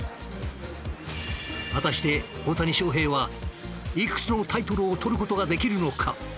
果たして大谷翔平はいくつのタイトルをとる事ができるのか？